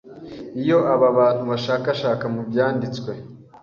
Iyo aba bantu bashakashaka mu Byanditswe